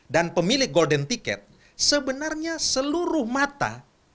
dan pemilik golden ticket sebenarnya seluruh mata